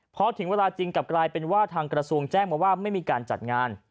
พอถึงเวลาจริงกลับกลายเป็นว่าทางกระทรวงแจ้งมาว่าไม่มีการจัดงาน